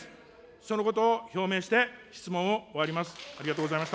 そのことを表明して質問を終わります。